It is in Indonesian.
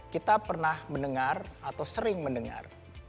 kita pernah mendengar atau sering mendengar